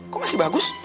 kok masih bagus